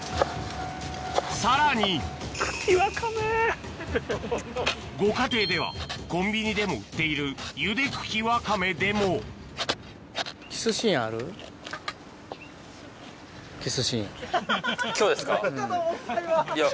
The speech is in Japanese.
さらにご家庭ではコンビニでも売っているゆで茎ワカメでもいや。